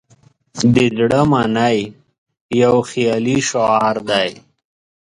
"د زړه منئ" یو خیالي شعار دی.